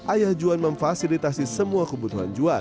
ayah juan memfasilitasi semua kebutuhan juan